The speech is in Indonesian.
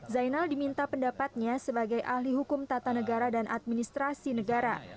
zainal diminta pendapatnya sebagai ahli hukum tata negara dan administrasi negara